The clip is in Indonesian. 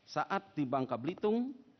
saat di bangka belitung